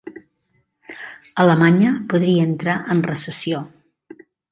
Alemanya podria entrar en recessió